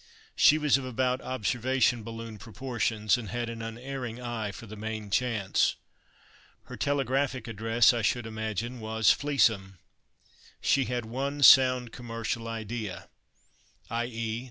She was of about observation balloon proportions, and had an unerring eye for the main chance. Her telegraphic address, I should imagine, was "Fleecem." She had one sound commercial idea, _i.e.